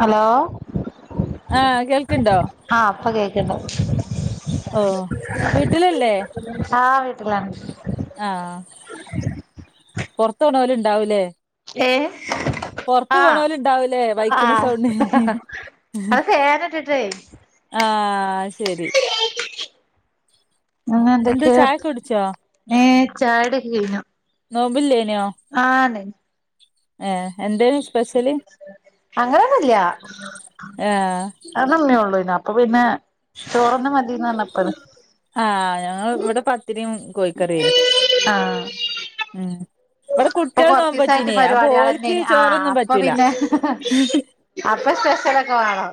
Hello ആഹ കേൾക്കണ്ടോ എന്ന ഓ വീട്ടിലല്ലേ അലാണ് ആഹ പൊറത്തണ പോല ഇണ്ടാവൂലേ ഏ പൊറത്ത് ആ പോണോൽ ഇണ്ടാവൂലേ ആ ബൈക്കിന് സൗണ്ട്.. അത് ഫാനിട്ടിട്ടേ ആഹ ശരി അ എന്താ എന്തൊക്കെയ ചായൊക്കെ കുടിച്ചോ ഏ ചായ കുടി കഴഞ്ഞു നോമ്പില്ലേ? ആണെ ഏ എന്ത് അങ്ങനെന്നല്ല ആഹ് അത്മ്മേ ഉള്ളു ഇപ്പ അപ്പൊ പിന്നെ ചോറന്നെ മതീന്നർപ്പൾ ആഹ് ഞങ്ങ ഇവിടെ പത്തിരിം കോഴിക്കറിയേയ്ന്. അപ്പൊ കൊറച്ച ദിവസായിട്ട് പരിപാടികൾ തന്നെന് ആ ചോറൊന്നും അപ്പൊ പറ്റൂല പിന്നെ ഇപ്പൊ സ്പെഷ്യലൊക്കെ വാണം.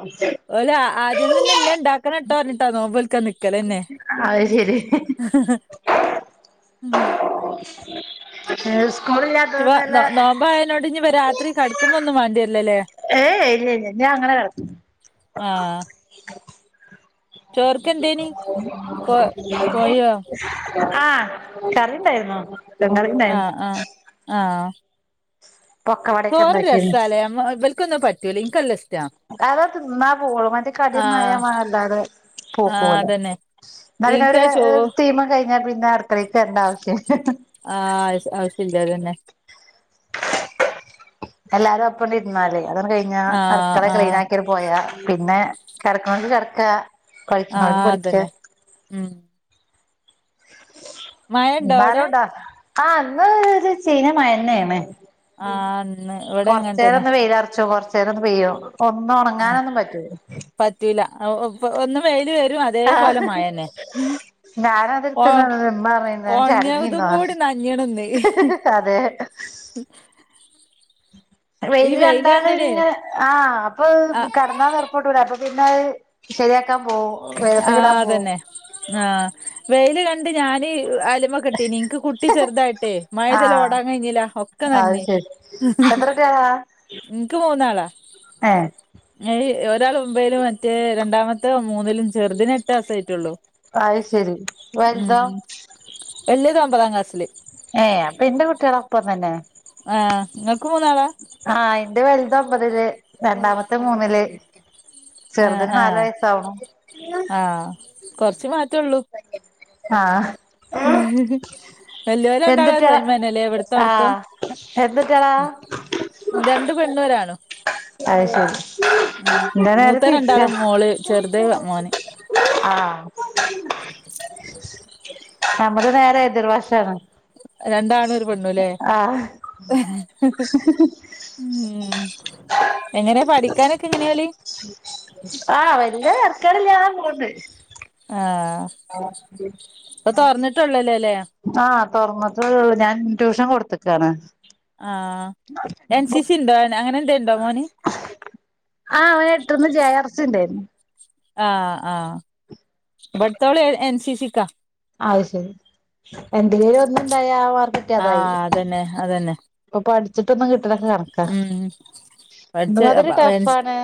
ഓല് അ ആദ്യം തന്നെ ന്നെ ഇണ്ടാക്കണട്ടോ റഞ്ഞിട്ടാ നോബോൽക്ക നി ക്കല തന്നെ അത് ശരി ഉ ഇപ്പ സ്കൂളില്ലാത്തോണ്ട് നല്ല നോമ്പോ ആയതിനോട് ഇനിപ്പ രാത്രി കടക്കുമ്പോ ഒന്നും വേണ്ടില്ലല്ലേ ഏയ് ഇല്ല ഇല്ല ഞാ അങ്ങനെ കടക്ക ആഹ് ചോർക്ക് എന്തേനി കോ കോഴിയോ [inaudible] ആഹ കറിണ്ടായിരുന്നു. ആഹ ആഹ ആഹ് പൊക്ക വടയൊക്കെ കൊറ ഉണ്ടാക്കിരുന്നു രസല്ലേ വലക്കൊന്നും പറ്റൂല ഇനക്ക്ല്ല അത തിന്നാ പോളും മറ്റേ കടിയന്നായ ആഹ് അല്ലാതെ ആഹ് പോക്കലെ അതന്നെ ന്ന പിന്നൊരു ഇൻക്കാ ചോ തീമം കഴിഞ്ഞാ പിന്നെ അടക്കളീക്ക് വര്ണ്ടാവശ്യ ആഹ് ഔഷല്ല് അതന്നെ എല്ലാരപ്പണിരുന്നാല് അതണ് കഴിഞ്ഞ ആഹ് അർക്കള ആഹ് ക്ലീനാക്കിയട് പോയാ പിന്നെ കെട്ക്കണോൽക്ക് കെട്ക്ക, കൾച്ണോൽ ആഹ് പടിച്ച അതന്നെ ഉം മഴണ്ടോ അവിടെ ടാരുടാ ആ ന്ന് ഒരു ചീഞ്ഞ മയന്നേണ്. ആഹ് ഇന്ന് ഇവിടെ കൊറച്ച അങ്ങനെ നേരം തന്നെ ഒന്ന് വെയില അറച്ചു കൊറച്ച് രൊന്ന് പെയ്യു ഒന്ന് ഒണങ്ങാനൊന്നും പറ്റൂ അ ഒ ഒപ് ഒന്നു വെയില് വരും അതേപോലെ ആഹ് മഴന്നെ. ഉ അ് ഞാനതെടുത്തിട്ടുണ്ട് ഉമ്മ പറയുന്നേ ഉണങ്ങതും ചരഞ്ഞിന്നോ കൂടി നഞ്ഞണംന്ന്ീ അതെ ഉ വെയില് കണ്ടാല് കണ്ടിന് ഇങ്ങനെ ആ അപ്പൊ ആ കടന്നാ കടപ്പോട്ടൂല അപ്പൊ പിന്നെ ശരിയാക്കാൻ പോ വേദത്തിനിടാൻ പോവും വെൽ കണ്ട് ഞാന് മകിട്ടീന് ഇൻക്ക് കുട്ടി ചെറുതായിട്ടേ, മഴയ്താല് ഓടാൻ കഴിഞ്ഞില്ല. ഒക്കെ നഞ്ഞ്. എത്രത്രൊക്ക ഇൻക്ക് മൂന്നാളാ. ഞഅ് എാ മുമ്പൈും മറ്റേ രണ്ടാമത്തെ മൂന്നിലും ചെറുതിന് എട്ടാസായിട്ടുള്ളോ അത് ശരി ഉം വലുതോ വല്യത് ഒമ്പതാം ക്ലാസില്ല് ഏ അപ്പൊ ഇന്റെ കുട്ട്യാളൊപ്പം തന്നെ. ആഹ ഇങ്ങക്ക് മൂന്നാളാ? ആഹയിന്റെ വലുത് ഒമ്പതില് രണ്ടാമത്തെ മൂന്നില് ആഹ് ചെറുതിന് നാല് ആഹ് വയസാക്ണു ആഹ് കൊറച്ച് മാറ്റള്ളൂ ആഹ ഉ വല്ലോല് രണ്ടാളും എന്തുട്ടികളാ സൈമെനല്ലേ ഇവിടത്തെ അടുത്തോ ആഹ് എന്തുട്ടികളാ രണ്ട് പെണ്ണു ഒരാണും. അത് ശരി ഉം ന്റെ നേരെ മൂത്ത തിരിച്ചാ രണ്ടാളും മോള് ചെറുത് മോന് ആഹ് അ നമ്മള് നേരെ എതിർവാശാണ് രണ്ടാണ് ഒരു പെണ്ണുല്ലേ? ഉം ഉം എങ്ങനെയ പഠിക്കാനൊക്കെ എങ്ങനെയാ ഓല് ആഹ വല്യ തര്ക്കേടില്ലാതെ അ പോണ്ട്. ആഹ് ഇപ്പൊ തുറന്നിട്ടുള്ളല്ലേ ആഹ തുറന്നട്ടള്ള ഞാൻ ട്യൂഷൻ കൊടുത്തക്കാണ് ആഹ എൻ സി സി ഇണ്ടോ അങ്ങനെന്തേണ്ടോ മോന് ആഹ് അവന് എട്ടിന്ന് ജെ ആർസിന്റൊയിരുന്നു ആഹ ആഹ് ബടുത്തോള് എൻ സി സിക്ക. അത് ശരി എന് പേര് ഒന്നണ്ടായ ആ പറ്റതായി ആഹ് അതന്നെ അതന്നെ ഇപ്പൊ പഠിച്ചിട്ടൊന്നും കിട്ടലൊക്കെ കണക്കാ ഉം തുമാതിരി പഠിച്ച ടഫാണ്.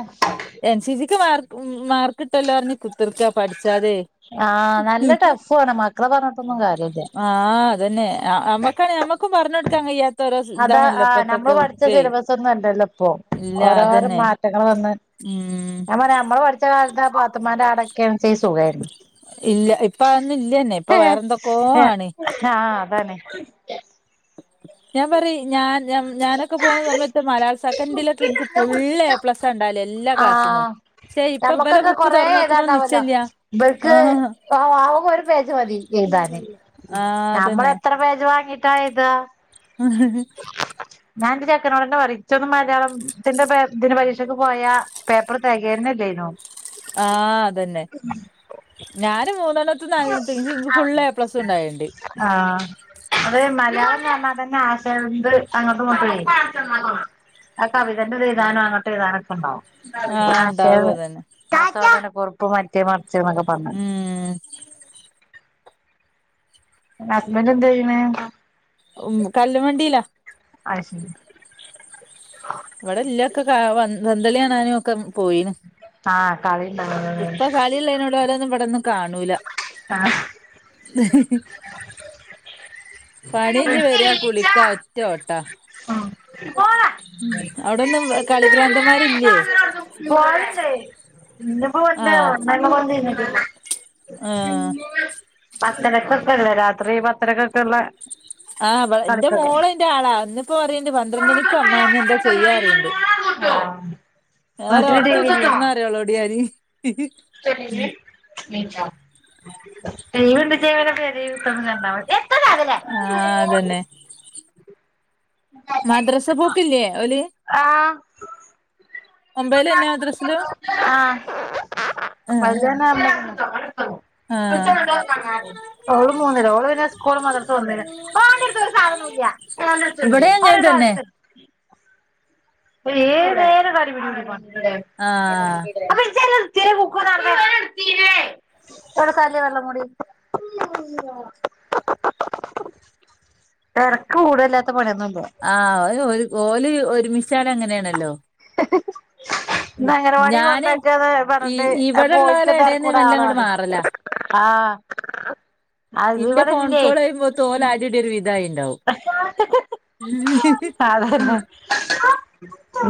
എൻ സി സിക്ക് മാർക്ക് മാർക്ക് ഇട്ടല്ലോ അറിഞ്ഞ് കുത്തിർക്ക പഠിച്ചാതെ ആഹ് നല്ല ടഫു ആണ് മക്കളെ പറഞ്ഞിട്ടൊന്നും കാര്യല്ല ആ അതന്നെ അമ്മക്കാണ് മ്മക്കും പറഞ്ഞട് അതാ ആഹ് നമ്മള് പഠിച്ച ബുക്കേ സിലബസൊന്നു അല്ലല്ലപ്പോ. ഇല്ല ഓരോരും അതന്നെ മാറ്റങ്ങൾ വന്ന് ഉം ഞ പറ നമ്മള് പഠിച്ച കാലത്ത് പാത്തമാടെ ആടൊക്കെച്ച സുഖമായിരുന്നു ഇല്ല ഇപ്പ അതൊന്നും ഇല്ലന്നെ ഇപ്പൊ വേറെന്തൊക്കോ ആഹ് ആണ് അതാണ് ഞാൻ പറ ഞാൻ ഞ ഞാനൊക്കെ പോണ സമ്മ ഇ മലയാള സെക്കൻഡിലൊക്കെ എനിക്ക് ഫുള് എ പ്ലസ് ഉണ്ടാവല് എല്ലാക്ലാസ്സ്ന്നും ആഹ് നമ്മുക്കൊക്കെ കൊറേ ഏതാണ്ടാവല്ലോ ബൾക്ക് ആഹ് ആ ആവ്പ ഒരു പേജ മതി ത ആഹ് നമ്മള് അതന്നെ എത്ര പേജ് വാങ്ങീട്ടാ എഴ്താ ഞാൻ എന്റെ ചെക്കനോട്ന്നെ ച്ചൊന്നും മലയാളത്തിന്റെ ദിന പരീക്ഷക്ക് പോയാ പേപ്പർ തേകയന്നെല്ലേനോ ആഹ് അതന്നെ ഞാന് മൂന്നോല്ല ആഹ് അതെ മലയാളം പറഞ്ഞാ തന്നെ ആശയണ്ട് അങ്ങോട്ട നോക്ക ആ കവിതയുടെതഴതാനോ അങ്ങട്ട്ഴതാനൊ ആഹ് ഇണ്ടാവും [unintelligible] അതന്നെ ച്ച എന്നൊക്കെ പറഞ്ഞ ഹസ്ബന്റന്ത ചെയ്യണേ ഉം കല്ല വണ്ടിയിലാ അത് ശരി അവിടെ ഇല്ല ഒക്കെ കാ വ വന്തളി കാണാനും ഒക്കെ പോയിന്ന് ആ [unintelligible] ഇപ്പൊ കളിലെയ്നോണ്ട് ഓരെന്നും ഇവിടൊന്നും കാണൂല്ല. ആഹ് പണിഞ്ഞഞ് വരി കുളിക്കാ ഒറ്റ ഓട്ട ആഹ ഉ അവിടൊന്നും കളിഭ്രാന്തമാരില്ലേ പോവല്ണ്ട് ആഹ് [unintelligible] പത്തരക്കൊക്കെല്ലേ രാത്രി പത്തരക്കൊക്ക ആ എന്റെ മോള് എന്റെ ആളാന്ന് ഇപ്പ അറിയണ്ട് പന്ത്രണ്ടരക്ക് അമ്മ എന്താ ചെയ്യാൻ അറിയണ്ട് വേറൊർക്കൊഴിച്ച് കുത്തിർന്നോ പറിം ഓളോട് ഞാന് തന്ന നച ലീവ് ച്ചാ ഓലെ പെരേ കുത്തർന്ന് കണ്ടാമതി ആഹ അതന്നെ മദ്രസ പോക്കില്ലയേ ഓലി ആഹ ഒമ്പതിലെന്നെ മദ്രസിലും ആഹ് ആഹ് [unintelligible] [unintelligible] [unintelligible] ആഹ് വന്നത്തുണ്ട് ഇവിടേം അങ്ങനെ തന്നെ [unintelligible] ഏത് നേരും പരിപടി ആഹ് [unintelligible] [unintelligible] തിരക്ക് കൂടല്ലാത്ത പണയൊന്നും ആ ഒരു ഓല് ഒരുമിച്ചാല് അങ്ങനെയാണല്ലോ ന്ന അങ്ങനവാടി ഞാന് കൊണ്ടക്കാന്ന് ഈ പറഞ്ഞിട്ട് അപ്പോ ഓൽക്ക് ഇവിടെള്ളോലെ എടേന്ന് തെരക്കൂടാ മെല്ലെ ആള അങ്ങട് മാറലാ ആഹ ഇന്റെ ഫോൺ അത്വിടെല്ലേ കോൾ കഴിയുമ്പോത്ത് ഓല് അടിടി ഒരു വിധായിണ്ടാവും അതെതെ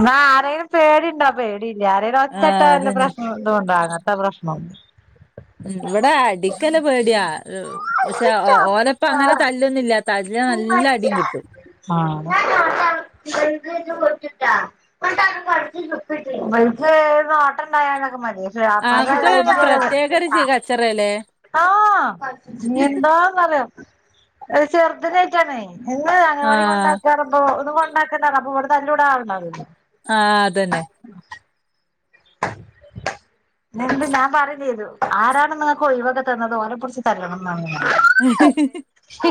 ന്ന ആരേലും പേടിണ്ടോ? പേടില്ല ആരേലും ആഹ് ഒച്ചട്ടാ വല്ല അതന്നെ പ്രശ്നോണ്ടോണ്ടോ? അങ്ങൻത്തെ പ്രശ്നോല്ല. ഉം ഇവിടെ അടിക്കല്ല പേടിയാ പക്ഷെ ഓരപ്പ അങ്ങനെ തല്ലൊന്നില്ല തല്ലിയാ നല്ല അടിയും കിട്ടും ആഹ [unintelligible] അ ആൺകുട്ടികളാവുമ്പോ പ്രത്യേക ഒരു ചി കച്ചറയല്ലേ [unintelligible] ആഹ എന്താന്നറ്യാ ഒ ചെറുത്‌നയിറ്റാണെ. എന്ന് അങ്ങനവാടി ആഹ് കൊണ്ടാക്കാറ ഒന്നും കൊണ്ടാക്കണ്ടാ അപ്പൊ ഇവിടെ തല്ലൂട ആള് ണ്ടാവുലല്ലോ ആഹ അതന്നെ നിണ്ട് ഞാൻ പറയും ചെയ്തു ആരാണ് നിങ്ങൾക്ക് ഒഴിവൊക്കെ തന്നത് ഓരെ പുടിച്ച് തല്ലണം ആ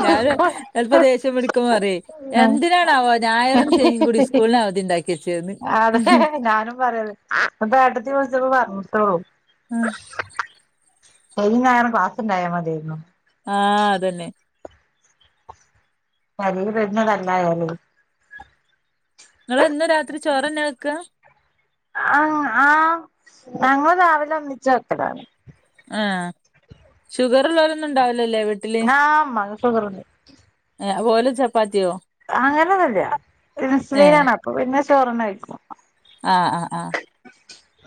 ഞാന് ചപ്പോ ദേഷ്യം പിടിക്ക്പോ അറേ എന്തിനാണ ആവാ ഞായറും ശനിയും കൂടി സ്കൂളിനാവ അതെ ഞാനും പറയത് അപ്പ ഏട്ടത്തി വിളിച്ചപ്പോ പറഞ്ഞിട്ടേളൂ ആഹ. ശനി ഞായറും ക്ലാസുണ്ടായാൽ മതിയേരുന്നു ആഹ് അതന്നെ താളീല് വെർന്ന [unintelligible] നിങ്ങ എന്ന് രാത്രി ചോറ്ന്നെ വെക്ക. ആഹ ആഹ ഞങ്ങൾ രാവിലെ ഒന്നിച്ചു വെക്കലാണ്. ആഹ ഷുഗർ ലോലൊന്നും ഇണ്ടാവുല ല്ലേ വീട്ടില്? ആഹ് ഉമ്മാക്ക് ഷുഗറുണ്ട് ഓല് ചപ്പാത്തി അങ്ങനെന്നുല്ല ഇൻസുലിൻ ന്നാണ് അപ്പൊ പിന്നെ ചോറിന്നാ വെയികും ആഹ ആഹ് ആഹ്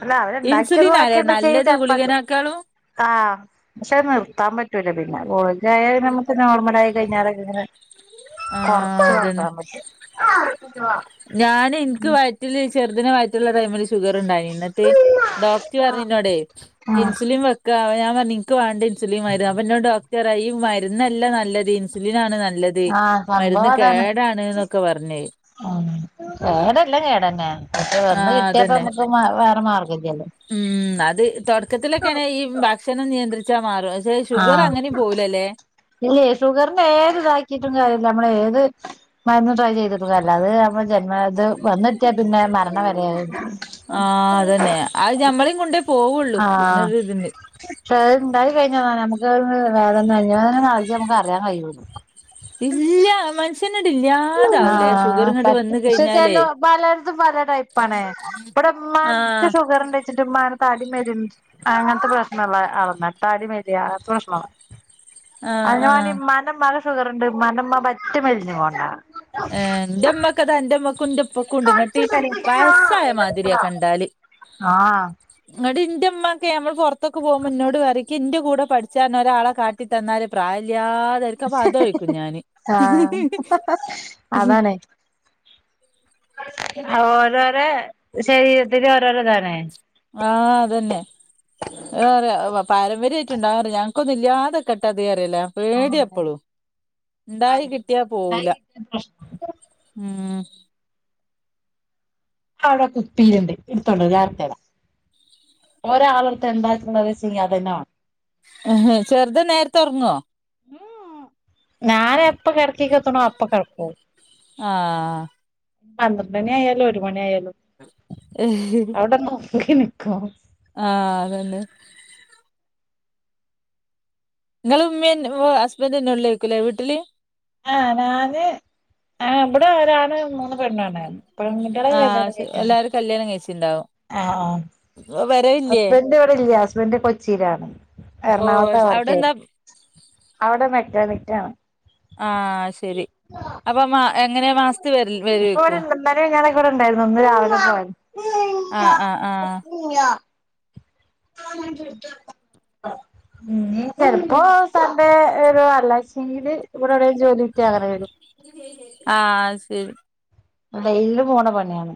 അല്ല അവിടെ ഉണ്ടാക്കിത് ഇൻസുലിൻ ആല്ലേ ബാക്കി നല്ലത് ചാപ്പാത്തി. ഗുളികനാക്കാളും ആഹ് പക്ഷെത് നിർത്താൻ പറ്റൂല പിന്നെ ആയാ നമ്മക്ക് നോർമലായി കഴിഞ്ഞാലൊക്കെ ഇങ്ങനെ കൊറച്ച് ആഹ് അതന്നെ കൊണ്ടോകാൻ പറ്റും ഞാൻ എനിക്ക് വയറ്റില് ചെർതിനെ വയറ്റിൽ ഉള്ളപ്പോൾ ഷുഗറുഉണ്ടയിനു ഇന്നിട്ട് ഡോക്ടർ പറഞ്ഞ് ഇനോട്ട് ഉം ഇൻസുലിൻ വെക്ക അപ്പോ ഞാൻ പറഞ്ഞു നിങ്ങക്ക് വേണ്ടി ഇൻസുലിൻ വരിക അപ്പോ എന്നോട് ഡോക്ടർ പറയ്ക ഈ മരുന്നല്ല നല്ലത് ഇൻസുലിൻ ആണ് നല്ലത് നല്ലത് ആഹ് മരുന്ന് സംഭവം അതാണ് കേടാണ് എന്നൊക്കെ പറഞ്ഞേ ഉം കേടെല്ലാം കേടന്നെ പക്ഷെ വന്ന് ആഹ് കിട്ടിയപ്പേ അതന്നെ നമ്മുക്ക് വെ വേറെ മാർഗം ഇല്ലല്ലോ ഉം അത് തുടക്കത്തിലൊക്കെണേ ഈ ഭക്ഷണം നിയന്ത്രിച്ച് ച്ച മാറും പക്ഷെ ഷുഗർ ആഹ് അങ്ങനെ പോവുലല്ലേ? ഇല്ലേ ഷുഗറിന് ഏത് ഇതാക്കിയിട്ടും കാര്യമില്ല നമ്മളെ ഏത് മരുന്ന് ട്രൈ ചെയ്തിട്ടും കാര്യമില്ല അത് നമ്മളെ ജന്മ ഇത് വന്നെത്തിയാ പിന്നെ മരണ വരെ ആഹ് അതന്നെ അത് നമ്മളും കൊണ്ടെ പോകും ആഹ് ഇണ്ടായി കൈയിഞ്ഞ നമ്മുക്ക് വേദന നൽകി നമ്മുക്ക് അറിയാൻ കഴിയുള്ളൂ ഇല്ല മ്മന് ആഹ് വന്ന് പക്ഷെ കഴിഞ്ഞാലേ ചലൊ പലട്ത്തും പല ടൈപ്പാണെ ഇവിടെ ഇമ്മാക്ക് ആഹ് ഷുഗർണ്ടെച്ചിട്ട് മ്മാനെ താടിമരും അങ്ങനത്തെ പ്രശ്നോള്ള അളല്ല താടിമരിക അങ്ങനത്തെ പ്രശ്നം ആഹ് അയ് ഞാന് ആഹ് മ്മാന്റെ മ്മാന് ഷുഗർണ്ട് മ്മാന്റെമ്മ പറ്റെ മെലിഞ്ഞു പോന്ന എ ഇന്റെ അമ്മകും എന്റെപ്പ ഇപ്പൊ ഉണ്ട് ഇങ്ങട്ടി വയസ്സായ മാതിരിയാ കണ്ടാൽ ആഹ് ഇന്നിട്ട് ന്റെ മ്മ ക്കെ നമ്മൾ പുറത്തൊക്കെ പോകുമ്പോ എന്നോട് പറയും ക്ക്‌ എന്റെ കൂടെ പഠിച്ചാൻ ഒരാളെ കാട്ടി തന്നാ ഒരു പ്രായല്യേ ആഹ് നെനക്കപ്പ അതോരിക്കും ഞാന് ആഹ് അതാണ്. ഓരോര ശരീരത്തി ഓരോര ഇതണേ. ആഹ് അതന്നെ. ഏറെ പാരമ്പര്യയിയിട്ട് ഇണ്ടാവാണ് ഞങ്ങക്കൊന്നും ഇല്ലാതെ കേട്ടെ അത് അല്ല പേടിയ ആഹ് എപ്പോളും ഉണ്ടായി അതന്നെ കിട്ടിയാ ഉണ്ടായി പോവൂല. കിട്ടിയ പ്രശ്നം ഉം. അവിടെ കുപ്പിലുണ്ട് എടുത്തോണ്ട്വ ഞാനിട്ട്തരാ ഒരാളടത്ത എന്താ ചങ്ങി അതന്നെ വാണം. ചെറുത് നേറത്തെ ഒറങ്ങോ? ഉം ഞാനെപ്പ കിടക്കക്കെത്തണോ അപ്പേ കിടക്കു ആഹ് പന്ത്രണ്ട് മണി ആയാലോ ഒരു മണി ആയാലോ. ഇഹ് ഹ് എനിക്കോ ആഹ് അതന്നെ. ഇങ്ങളു ഉമ്മീം ഹസ്ബന്ന്ന്റ്റുംള്ലേകുല്ലേ വീട്ടില്. ആഹ് ഞാന് ഇബടെ ഒരാണ് മൂന്ന് പെണ്ണാണ്. പെൺകുട്ടി ആളൊഒക്കെ കല്യാണം ആഹ് കഴിഞ്ഞോ? എല്ലാരും കല്യാണം കഴിച്ചിണ്ടാവും ആഹ് ആഹ് വരവില്ലേ ഹസ്ബൻ്റ് ഇവിടെ ഇല്ല ഹസ്ബൻ്റ് കൊച്ചിയിലാണ് ഓ എറണാകുളതാ അവിടെ വർക്ചെയ് എന്താ അവിടെ മെക്കാനിക് ര അപ്പമാ ഇപ്പടെണ്ട് ഇന്നലിം ഞ്ജാന്നൊക്കെ വടെണ്ടയിനു ന്ന് രാവിലെ പോയെത്. ആഹ് ആഹ് ആഹ്. ആ. [unintelligible] ആഹ. ഉം ചെലപ്പോ സൺഡേ ഒരു അല്ലാച്ചെങ്കില് ഇവടെ എവിടെ ജോലി ക്കങ്ങനെ വരും അഹ് സെരി. ഡെയ്ല്ല് പോണ പണിയാണ്